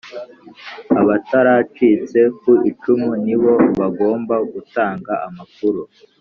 Abataracitse ku icumu nibo bagomba gutanga amakuru